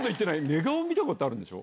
寝顔見たことあるんでしょ。